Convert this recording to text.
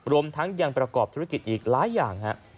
รวมทั้งยังประกอบธุรกิจอีกหลายอย่าง